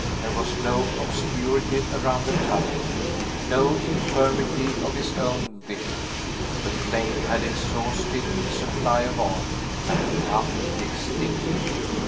There was no obscurity around the tower; no infirmity of his own vision. The flame had exhausted its supply of oil, and become extinct.